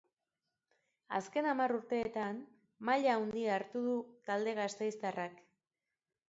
Azken hamar urteetan maila handia hartu du talde gasteiztarrak.